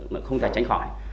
mà không thể tránh khỏi